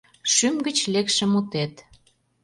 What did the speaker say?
Шÿм гыч лекше мутет